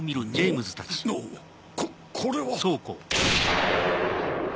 ここれは！